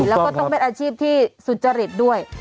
แล้วก็ต้องเป็นอาชีพที่สุจริตด้วย